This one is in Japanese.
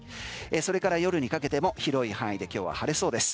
それから夜にかけても広い範囲で今日は晴れそうです。